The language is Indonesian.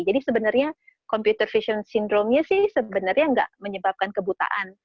jadi sebenarnya computer vision syndrome nya sih sebenarnya nggak menyebabkan kebutaan